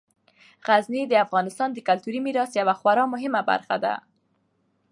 غزني د افغانستان د کلتوري میراث یوه خورا مهمه برخه ده.